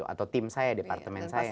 atau tim saya departemen saya